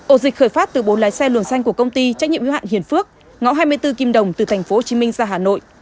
ổ dịch khởi phát từ bốn lái xe lường xanh của công ty trách nhiệm hữu hạn hiền phước ngõ hai mươi bốn kim đồng từ thành phố hồ chí minh ra hà nội